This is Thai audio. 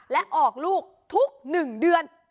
และออกลูกทุก๑เดือน